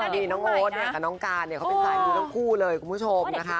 ดิน้องโอ๊ดกับน้องกาเป็นสายมูกทั้งคู่เลยคุณผู้ชม